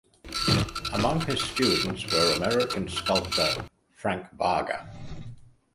Among his students were American sculptor Frank Varga.